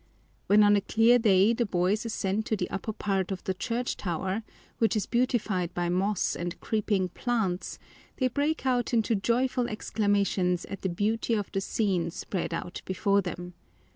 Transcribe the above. When on a clear day the boys ascend to the upper part of the church tower, which is beautified by moss and creeping plants, they break out into joyful exclamations at the beauty of the scene spread out before them.